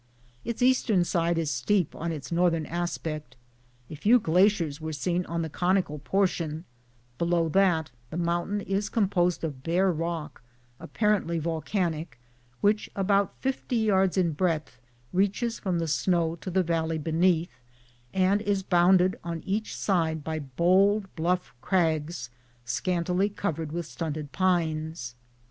Its eastern side is steep on its northern aspect ; a few glaciers were seen on the conical portion ; below that the mountain is composed of bare rock, apparently volcanic, which about 50 yards in breadth reaches from the snow to the valley beneath and is bounded on each side by bold bluff crags scantily covered with stunted pines.